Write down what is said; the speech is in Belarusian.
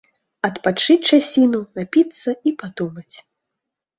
Адпачыць часіну, напіцца і падумаць.